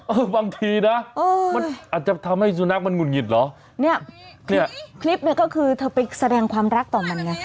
บางทีนะมันอาจจะทำให้สุนัขมันหุดหงิดเหรอเนี่ยเนี่ยคลิปเนี่ยก็คือเธอไปแสดงความรักต่อมันไง